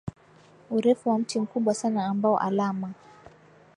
urefu wa mti mkubwa sana ambao alama